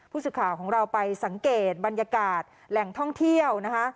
ผู้สื่อข่าวของเราไปสังเกตบรรยากาศแหล่งท่องเที่ยวนะคะ